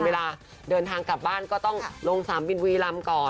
เวลาเดินทางกลับบ้านก็ต้องลงสนามบินบุรีรำก่อน